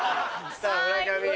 さぁ村上。